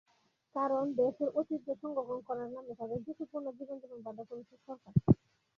কারণ, দেশের ঐতিহ্য সংরক্ষণ করার নামে তাদের ঝুঁকিপূর্ণ জীবনযাপনে বাধ্য করছে সরকার।